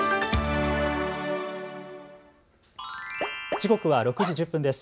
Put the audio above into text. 時刻は６時１０分です。